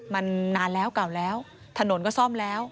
มันนานแล้วเก่าแล้วถนนก็ซ่อมแล้ว